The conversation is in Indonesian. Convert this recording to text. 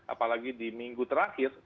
apalagi di minggu terakhir